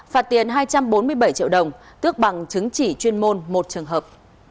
phạt tiền hai trăm bốn mươi bảy triệu đồng tước bằng chứng chỉ chuyên môn một trường hợp